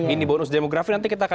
ini bonus demografi nanti kita akan